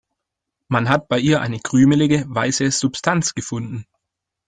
Man hat bei ihr eine krümelige, weiße Substanz gefunden.